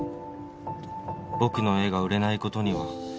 「僕の絵が売れないことには」